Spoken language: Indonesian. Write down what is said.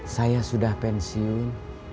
saya sudah pensiun